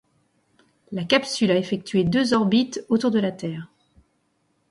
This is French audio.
La capsule a effectué deux orbites autour de la terre.